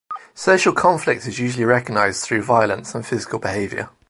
Social conflict is usually recognized through violence and physical behaviour.